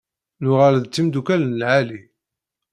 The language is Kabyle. Nuɣal d timdukal n lɛali.